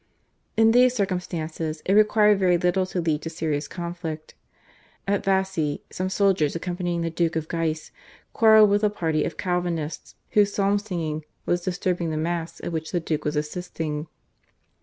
In these circumstances it required very little to lead to serious conflict. At Vassy some soldiers accompanying the Duke of Guise quarrelled with a party of Calvinists, whose psalm singing was disturbing the Mass at which the Duke was assisting.